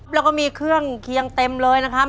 แล้วก็มีเครื่องเคียงเต็มเลยนะครับ